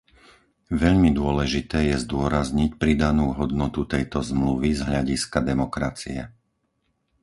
Veľmi dôležité je zdôrazniť pridanú hodnotu tejto Zmluvy z hľadiska demokracie.